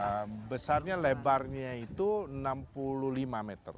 pembicara lima puluh dua besarnya lebarnya itu enam puluh lima meter